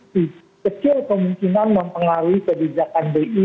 di kecil kemungkinan mempengaruhi kebijakan bi